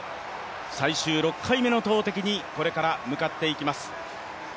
最終６回目の投てきにこれから向かっていきます。